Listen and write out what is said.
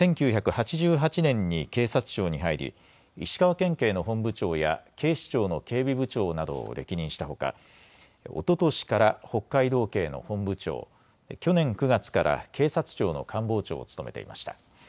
１９８８年に警察庁に入り石川県警の本部長や警視庁の警備部長などを歴任したほか、おととしから北海道警の本部長、去年９月から警察庁の官房長を務めていました。